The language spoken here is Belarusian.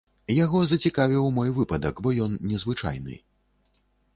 Яго зацікавіў мой выпадак, бо ён незвычайны.